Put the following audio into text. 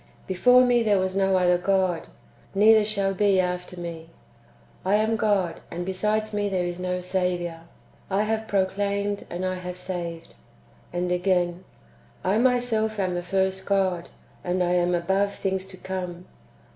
Before me there was no other God, neither shall be after me. I am God, and besides me there is no Saviour. I have proclaimed, and I have saved." ^ And again :" I myself am the first God, and I am above things to come."